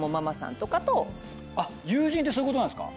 友人ってそういうことなんすか。